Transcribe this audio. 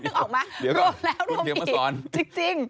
นึกออกไหมรวมแล้วรวมอีกจริง